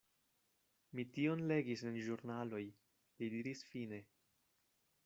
Mi tion legis en ĵurnaloj, li diris fine.